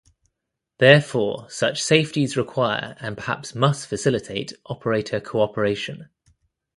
Therefore, such safeties require and perhaps must facilitate operator cooperation.